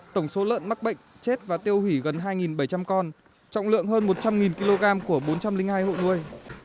tổng số lợn mắc bệnh chết và tiêu hủy gần hai bảy trăm linh con trọng lượng hơn một trăm linh kg của bốn trăm linh hai hộ nuôi